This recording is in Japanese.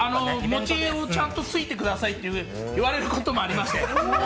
餅をちゃんとついてくださいと言われることもありまして。